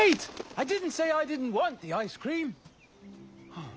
はあ。